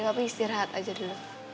papi istirahat aja dulu